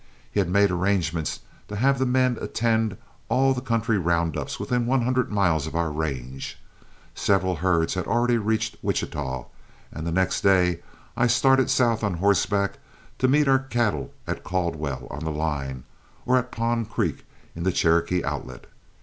He had made arrangements to have the men attend all the country round ups within one hundred miles of our range. Several herds had already reached Wichita, and the next day I started south on horseback to meet our cattle at Caldwell on the line, or at Pond Creek in the Cherokee Outlet.